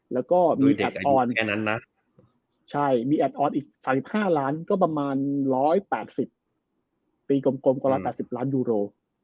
แล้วก็มีแอดออน๓๕ล้านก็ประมาณ๑๘๐ล้านยูโร